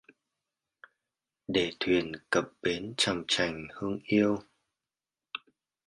Để thuyền cập bến chòng trành hương yêu